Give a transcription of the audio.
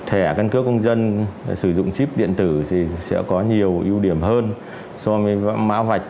thẻ căn cước công dân sử dụng chip điện tử thì sẽ có nhiều ưu điểm hơn so với mã vạch